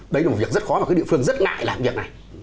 đấy là một việc rất khó mà các địa phương rất ngại làm việc này